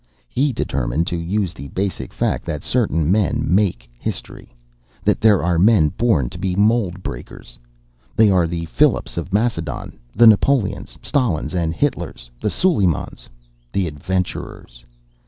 He determined to use the basic fact that certain men make history: that there are men born to be mould breakers. They are the Phillips of Macedon, the Napoleons, Stalins and Hitlers, the Suleimans the adventurers.